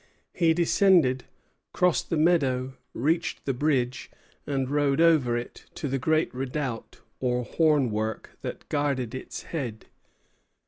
He descended, crossed the meadow, reached the bridge, and rode over it to the great redoubt or hornwork that guarded its head.